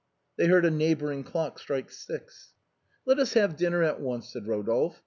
They heard a neighboring clock strike six. " Let us have dinner at once," said Eodolphe.